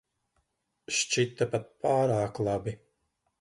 Šķita pat pārāk labi.